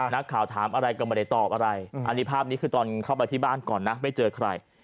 นักข่าวถามอะไรก็ตามอันนี้ภาพคือเข้าไปที่บ้านก่อนไม่เจอใคร